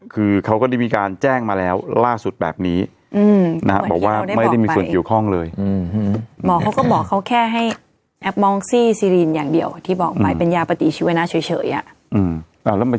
คือว่าบริเวณสถานีดับเพลิงน่ะหลังจากที่จับมา